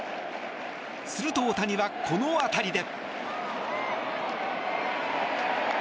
すると、大谷はこの当たりで。